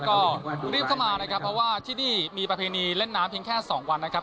ก็รีบเข้ามานะครับเพราะว่าที่นี่มีประเพณีเล่นน้ำเพียงแค่สองวันนะครับ